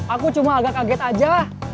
aku cuma agak kaget aja